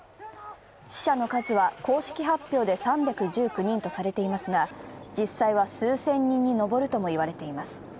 死者の数は、公式発表で３１９人とされていますが、実際は数千人に上るとも言われています。